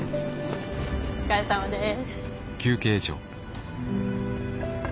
お疲れさまです。